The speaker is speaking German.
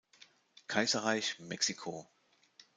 Kaiserreich Mexiko.